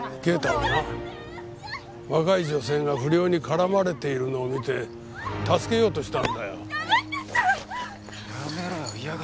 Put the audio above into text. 啓太はな若い女性が不良に絡まれているのを見て助けようとしたんだよ。